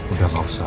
udah gak usah